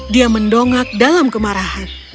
dia mendongak dalam kemarahan